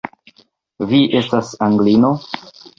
Vi estas Anglino?